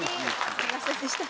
すみませんでした。